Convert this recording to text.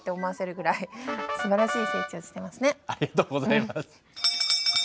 ありがとうございます。